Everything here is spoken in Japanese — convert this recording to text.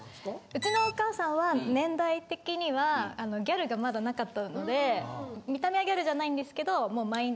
うちのお母さんは年代的にはギャルがまだなかったので見た目ギャルじゃないんですけど。